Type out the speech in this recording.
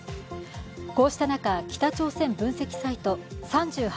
こうした中、北朝鮮分析サイト３８